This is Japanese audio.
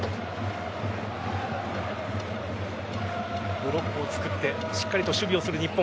ブロックをつくってしっかりと守備をする日本。